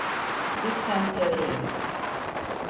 Lütfen söyleyin.